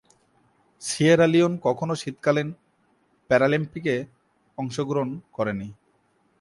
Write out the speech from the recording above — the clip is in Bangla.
সিয়েরা লিওন কখনো শীতকালীন প্যারালিম্পিকে অংশগ্রহণ করেনি।